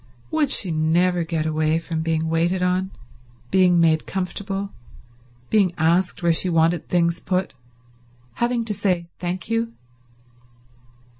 Would she never get away from being waited on, being made comfortable, being asked where she wanted things put, having to say thank you?